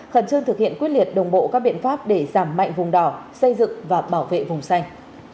khẩn trương thực hiện quyết liệt đồng bộ các biện pháp để giảm mạnh vùng đỏ xây dựng và bảo vệ vùng xanh